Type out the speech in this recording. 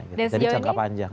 jadi jangka panjang